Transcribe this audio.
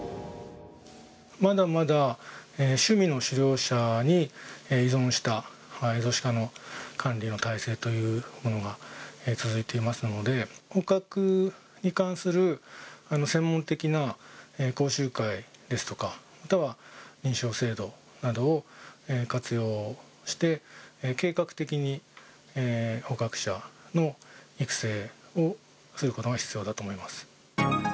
まだまだ趣味の狩猟者に依存したエゾシカの管理の体制というものが続いていますので、捕獲に関する専門的な講習会ですとか、または認証制度などを活用して、計画的に捕獲者の育成をすることが必要だと思います。